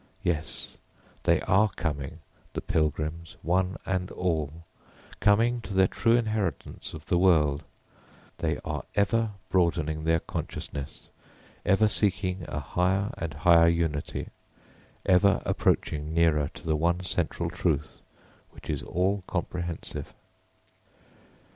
Yes, they are coming, the pilgrims, one and all coming to their true inheritance of the world; they are ever broadening their consciousness, ever seeking a higher and higher unity, ever approaching nearer to the one central Truth which is all comprehensive.